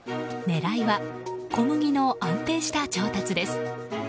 狙いは小麦の安定した調達です。